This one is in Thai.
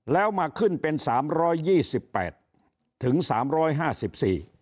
แล้วมาขึ้นเป็นสามร้อยยี่สิบแปดถึงสามร้อยห้าสิบสี่